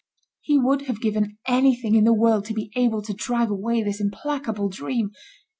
He would have given anything in the world to be able to drive away this implacable dream.